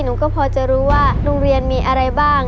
หนูก็พอจะรู้ว่าโรงเรียนมีอะไรบ้าง